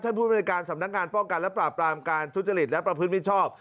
ผู้บริการสำนักงานป้องกันและปราบปรามการทุจริตและประพฤติมิชชอบ